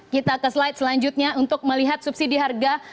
kita ke slide selanjutnya untuk melihat subsidi harga